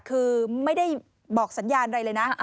คือไม่ได้บอกสัญญาณอะไรเลยนะ